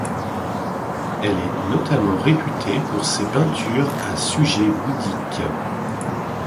Elle est notamment réputée pour ses peintures à sujets bouddhiques.